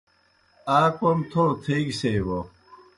آ کوْم تھو تھیگیْ سیئے بوْ